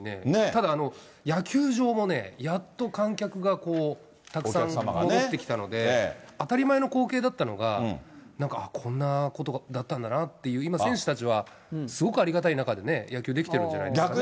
ただ、野球場もね、やっと観客がこう、たくさん戻ってきたので、当たり前の光景だったのが、なんかこんなことだったんだなっていう、今、選手たちはすごくありがたい中で野球できてるんじゃないですかね。